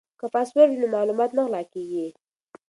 که پاسورډ وي نو معلومات نه غلا کیږي.